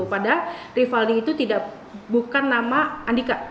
padahal rivaldi itu bukan nama andika